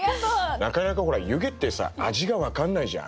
なかなかほら湯気ってさ味が分かんないじゃん。